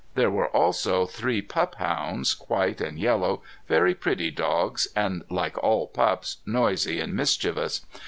There were also three pup hounds, white and yellow, very pretty dogs, and like all pups, noisy and mischievous.